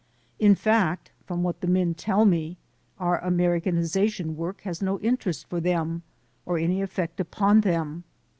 In fact, from what the men tell me, our Americanization work has no interest for them or any effect upon them.